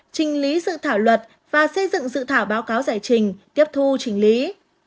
trình lý dự thảo luật và xây dựng dự thảo báo cáo giải trình tiếp thu trình lý